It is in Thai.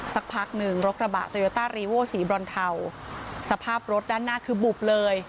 สักพักหนึ่งรถกระบะสีบร้อนเทาสภาพรถด้านหน้าคือบุบเลย